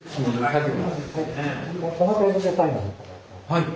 はい。